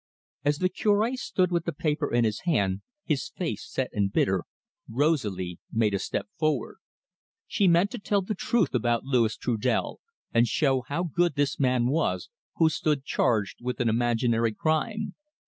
As the Curb stood with the paper in his hand, his face set and bitter, Rosalie made a step forward. She meant to tell the truth about Louis Trudel, and show how good this man was, who stood charged with an imaginary crime.